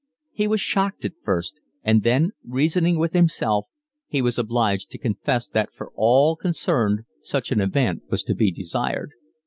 He was shocked at first; and then, reasoning with himself, he was obliged to confess that for all concerned such an event was to be desired.